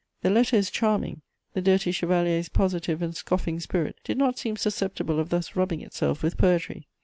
The letter is charming: the dirty chevalier's positive and scoffing spirit did not seem susceptible of thus rubbing itself with poetry.